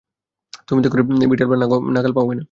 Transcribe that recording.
তুমি দেখো তো লিভারটার নাগাল পাও কি-না।